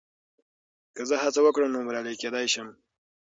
که زه هڅه وکړم، نو بریالی کېدای شم.